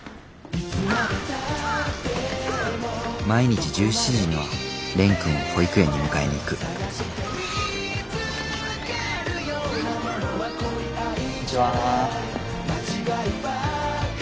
毎日１７時には蓮くんを保育園に迎えに行くこんにちは。